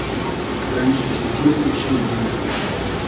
قئلئم شی شیجیر اېشیل بومنۂ